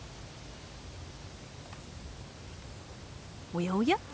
おやおや？